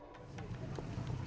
ini dia rahasianya